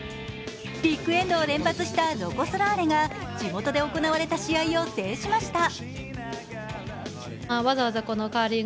ビッグエンドを連発したロコ・ソラーレが地元で開かれた試合を制しました。